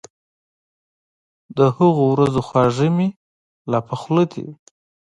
د هغو ورځو خواږه مي لا په خوله دي